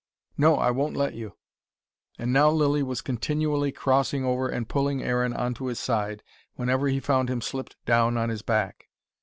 "No, I won't let you." And now Lilly was continually crossing over and pulling Aaron on to his side, whenever he found him slipped down on his back.